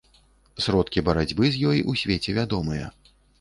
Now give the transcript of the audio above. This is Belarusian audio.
Сродкі барацьбы з ёй у свеце вядомыя.